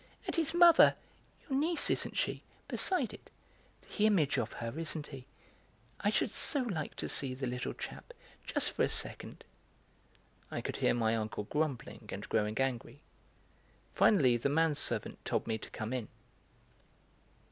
And his mother (your niece, isn't she?) beside it? The image of her, isn't he? I should so like to see the little chap, just for a second." I could hear my uncle grumbling and growing angry; finally the manservant told me to come in.